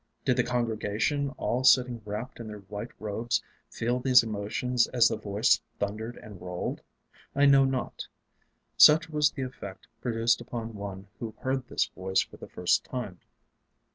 Did the congregation, all sitting wrapped in their white robes, feel these emotions as the Voice thundered and rolled? I know not. Such was the effect produced upon one who heard this Voice for the first time.